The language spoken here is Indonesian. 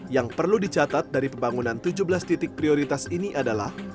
yang perlu dicatat dari pembangunan tujuh belas titik prioritas ini adalah